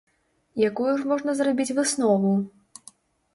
Якую ж можна зрабіць выснову?